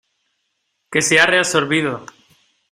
que se ha reabsorbido.